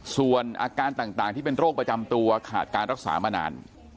ส่วนอาการต่างที่เป็นโรคประจำตัวขาดการรักษามานาน